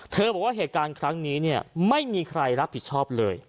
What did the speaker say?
บอกว่าเหตุการณ์ครั้งนี้เนี่ยไม่มีใครรับผิดชอบเลย